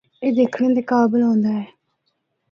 اے دکھنڑے دے قابل ہوندا ہے۔